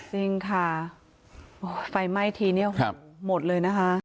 จริงค่ะไฟไหม้ทีนี้หมดเลยนะคะ